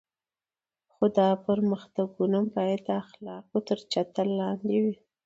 خو دا پرمختګونه باید د اخلاقو تر چتر لاندې وي.